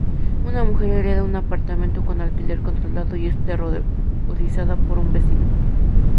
Una mujer hereda un apartamento con alquiler controlado y es aterrorizada por un vecino.